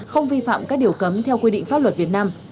không vi phạm các điều cấm theo quy định pháp luật việt nam